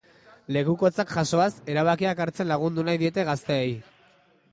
Lekukotzak jasoaz, erabakiak hartzen lagundu nahi diete gazteei.